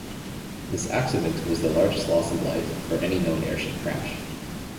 This accident was the largest loss of life for any known airship crash.